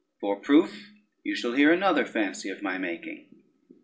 For proof you shall hear another fancy of my making."